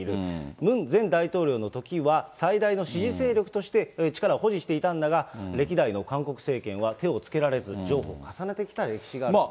ムン前大統領のときは最大の支持勢力として、力を保持していたんだが、歴代の韓国政権は手をつけられず、譲歩を重ねてきた歴史があると。